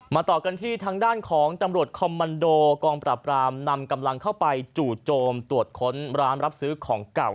ต่อกันที่ทางด้านของตำรวจคอมมันโดกองปราบรามนำกำลังเข้าไปจู่โจมตรวจค้นร้านรับซื้อของเก่า